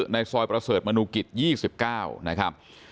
ในซอยประเสริฐมนุกิจยี่สิบเก้า